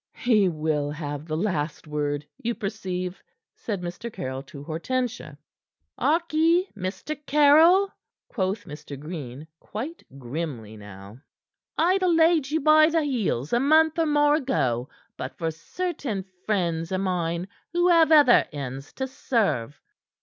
"He will have the last word, you perceive," said Mr. Caryll to Hortensia. "Harkee, Mr. Caryll," quoth Mr. Green, quite grimly now. "I'd ha' laid you by the heels a month or more ago, but for certain friends o' mine who have other ends to serve."